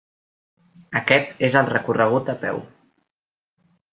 Aquest és el recorregut a peu.